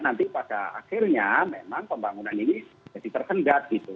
nanti pada akhirnya memang pembangunan ini jadi tersendat gitu